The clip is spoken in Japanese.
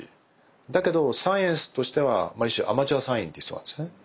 だけどサイエンスとしては一種アマチュアサイエンティストなんですよね。